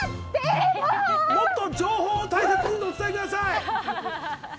もっと情報を大切にお伝えください。